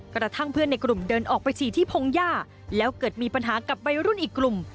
กระทั่งเพื่อนในกลุ่มเดินออกไปฉี่ที่พงหญ้าแล้วเกิดมีปัญหากับวัยรุ่นอีกกลุ่ม